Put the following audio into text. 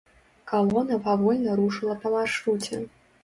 Калона павольна рушыла па маршруце.